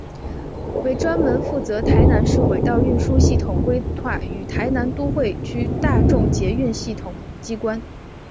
为专门负责台南市轨道运输系统规划与台南都会区大众捷运系统机关。